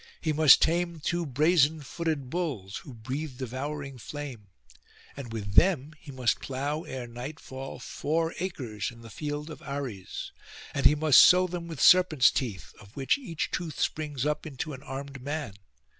He must tame the two brazen footed bulls, who breathe devouring flame; and with them he must plough ere nightfall four acres in the field of Ares; and he must sow them with serpents' teeth, of which each tooth springs up into an armed man.